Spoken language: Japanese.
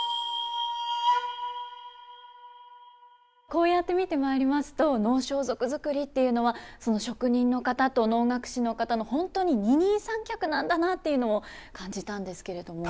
こうやって見てまいりますと能装束作りっていうのはその職人の方と能楽師の方の本当に二人三脚なんだなっていうのを感じたんですけれども。